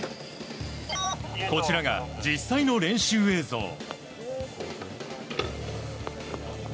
こちらが実際の練習映像。